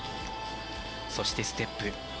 そして、ステップ。